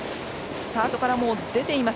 スタートから出ています